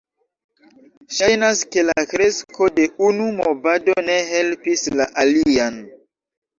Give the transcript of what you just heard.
Ŝajnas ke la kresko de unu movado ne helpis la alian.